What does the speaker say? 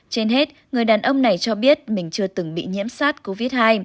trên hết người đàn ông này cho biết mình chưa từng bị nhiễm sát covid hai